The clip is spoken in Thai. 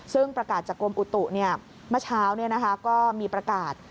ซึ่งประกาศจากกรมอุตุเมื่อเช้าก็มีประกาศ